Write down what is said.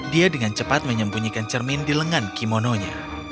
dia dengan cepat menyembunyikan cermin di lengan kimononya